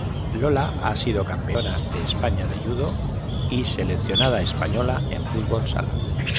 Lola ha sido campeona de España de judo y seleccionada española en fútbol sala.